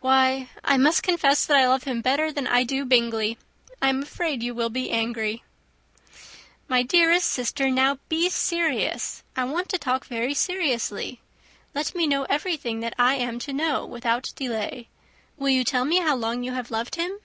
"Why, I must confess that I love him better than I do Bingley. I am afraid you will be angry." "My dearest sister, now be, be serious. I want to talk very seriously. Let me know everything that I am to know without delay. Will you tell me how long you have loved him?"